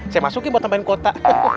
saya masukin buat tambahin kota